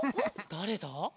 だれだ？